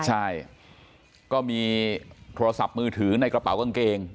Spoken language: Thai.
ใช่ก็มีโทรศัพท์มือถือในกระเป๋ากางเกง